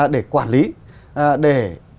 để quản lý để